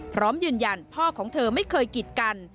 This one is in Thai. พร้อมยืนยันพ่อของเธอไม่เคยกิดกัน